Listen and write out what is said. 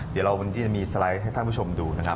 เดี๋ยวเราวันนี้จะมีสไลด์ให้ท่านผู้ชมดูนะครับ